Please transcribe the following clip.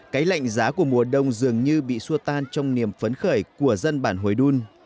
cái lạnh giá của mùa đông dường như bị xua tan trong niềm phấn khởi của dân bản huế đun